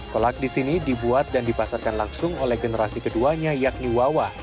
kolak di sini dibuat dan dipasarkan langsung oleh generasi keduanya yakni wawa